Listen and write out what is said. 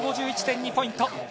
６５１．２ポイント。